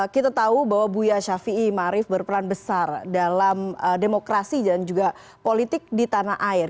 kita tahu bahwa buya syafi'i mahari berperan besar dalam demokrasi dan juga politik di tanah air